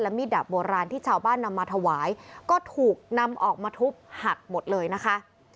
มีดดาบโบราณที่ชาวบ้านนำมาถวายก็ถูกนำออกมาทุบหักหมดเลยนะคะ